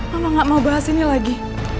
mama gak mau bahas ini lagi